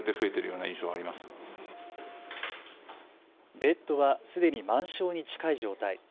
ベッドはすでに満床に近い状態。